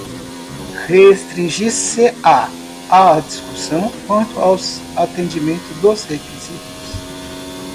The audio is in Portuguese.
restringir-se-á à discussão quanto ao atendimento dos requisitos